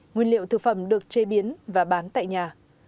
nguyên liệu thực phẩm được chế biến và bán tại nhà